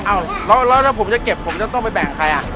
อ้าวแล้วถ้าผมจะเก็บผมจะต้องไปแบ่งกับใครอ่ะ